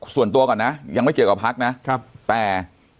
ส่วนตัวก่อนนะยังไม่เกี่ยวกับพักนะแต่